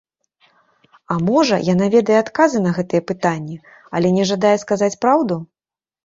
А можа, яна ведае адказы на гэтыя пытанні, але не жадае сказаць праўду?